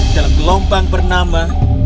dalam gelombang bernama